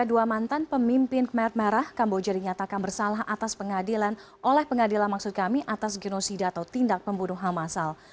dua mantan pemimpin kemer merah kamboja dinyatakan bersalah atas pengadilan oleh pengadilan maksud kami atas genosida atau tindak pembunuh hamasal